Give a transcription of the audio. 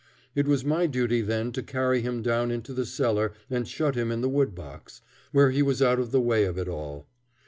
It was my duty then to carry him down into the cellar and shut him in the wood box, where he was out of the way of it all.